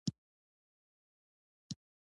د سوډیم کاربونیټ د محلول خوند څنګه دی؟